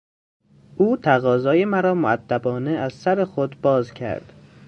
او تقاضای مرا مؤدبانه از سر خود باز کرد.